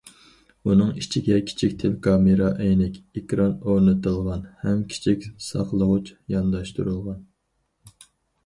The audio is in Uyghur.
ئۇنىڭ ئىچىگە كىچىك تېلېكامېرا، ئەينەك ئېكران ئورنىتىلغان ھەم كىچىك ساقلىغۇچ يانداشتۇرۇلغان.